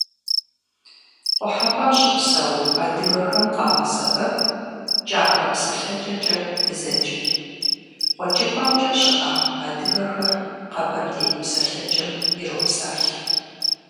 Къухьэпӏэм щыпсэу адыгэхэм къагъэсэбэп кӏахэ псэлъэкӏэкӏэ дызэджэр, къуэкӏыпӏэмкӏэ щыӏэ адыгэхэр къэбэрдей псэлъэкӏэм иропсалъэ.